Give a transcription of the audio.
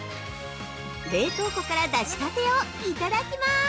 冷凍庫から出したてをいただきます！